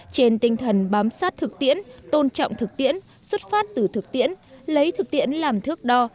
trên tinh thần bám sát thực tiễn tôn trọng thực tiễn xuất phát từ thực tiễn lấy thực tiễn làm thước đo